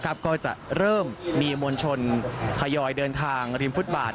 ก็จะเริ่มมีมวลชนทยอยเดินทางริมฟุตบาท